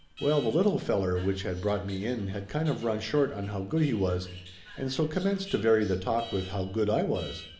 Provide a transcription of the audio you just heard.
Well, the little feller which had brought me in had kind of run short on how good he was, and so com menced to vary the talk with how good I was.